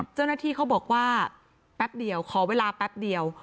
เจ้าหน้าที่เขาบอกว่าแป๊บเดียวขอเวลาแป๊บเดียว